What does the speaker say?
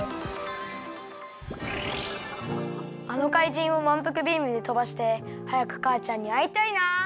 あのかいじんをまんぷくビームでとばしてはやくかあちゃんにあいたいな。